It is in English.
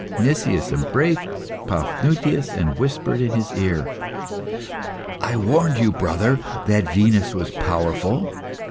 Nicias embraced Paphnutius, and whispered in his ear "I warned you, brother, that Venus was powerful.